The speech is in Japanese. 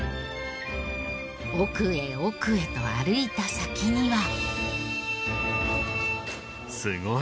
奥へ奥へと歩いた先には。